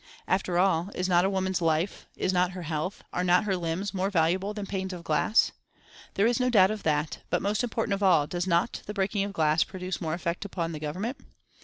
"After all, is not a woman's life, is not her health, are not her limbs more valuable than panes of glass? There is no doubt of that, but most important of all, does not the breaking of glass produce more effect upon the Government?